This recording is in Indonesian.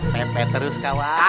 pepe terus kawan